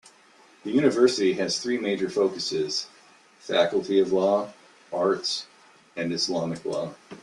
The university has three major focuses: Faculty of Law, Arts, and Islamic Law.